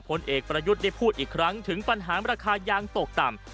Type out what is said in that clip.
ผลเอกประยุทธ์ได้พูดอีกครั้งถึงปัญหาราคายางตกต่ำ